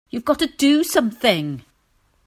You've got to do something!